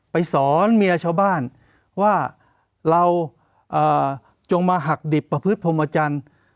สอนเมียชาวบ้านว่าเราจงมาหักดิบประพฤติพรมจันทร์